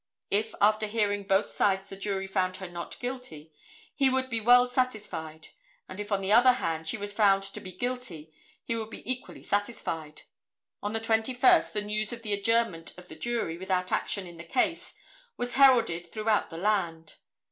If after hearing both sides the jury found her not guilty, he would be well satisfied, and if on the other hand she was found to be guilty he would be equally satisfied. On the 21st the news of the adjournment of the jury without action in the case was heralded throughout the land.